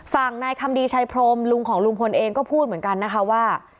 ฝั่งนายคำดีชัยพรมลุงของลุงพลเองก็พูดเหมือนกันนะคะว่า